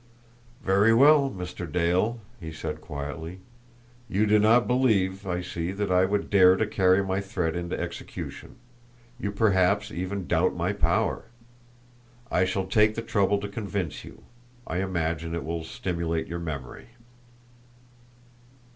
"Very well, Mr. Dale!" he said quietly. "You do not believe, I see, that I would dare to carry my threat into execution; you perhaps even doubt my power. I shall take the trouble to convince you I imagine it will stimulate your memory."